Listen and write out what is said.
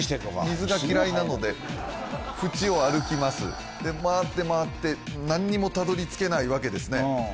水が嫌いなので縁を歩きますで回って回って何にもたどり着けないわけですね